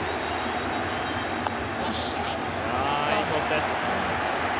いいコースです。